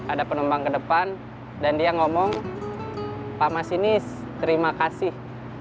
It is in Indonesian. ada penumpang ke depan dan dia ngomong pak masinis terima kasih